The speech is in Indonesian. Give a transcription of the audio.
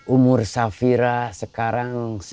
umur safira sekarang sembilan belas